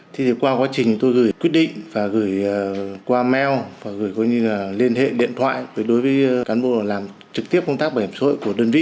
thì qua quá trình tôi gửi quyết định và gửi qua mail và gửi có như là liên hệ điện thoại đối với cán bộ làm trực tiếp công tác bảo hiểm xã hội của đơn vị